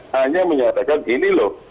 hanya menyatakan ini loh